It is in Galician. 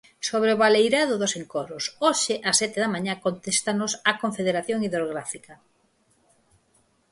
Sobre o baleirado dos encoros, hoxe ás sete da mañá contéstanos a Confederación Hidrográfica.